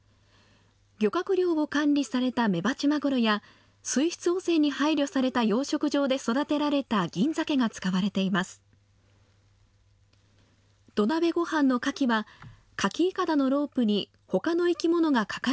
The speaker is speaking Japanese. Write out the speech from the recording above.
漁獲量を管理されたメバチマグロや、水質汚染に配慮された養殖場で育てられた銀ざけが使われています。